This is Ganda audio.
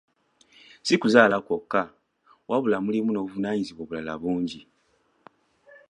Si kuzaala kwokka, wabula mulimu n'obuvunaaanyizibwa obulala bungi.